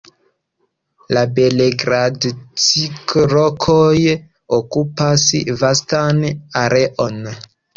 La Belogradĉik-rokoj okupas vastan areon.